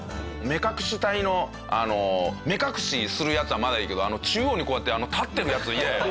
目隠し隊の目隠しするヤツはまだいいけど中央にこうやって立ってるヤツ嫌だろ。